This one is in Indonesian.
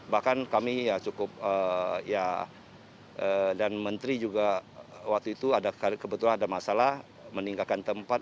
bahkan kami ya cukup ya dan menteri juga waktu itu kebetulan ada masalah meninggalkan tempat